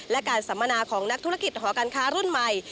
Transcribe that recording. และการสัมมนาของนักธุรกิจหอการค้ารุ่นใหม่